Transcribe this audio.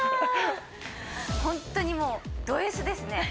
ホントにもうドＳですね